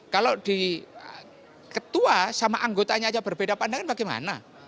kalau di ketua sama anggotanya aja berbeda pandangan bagaimana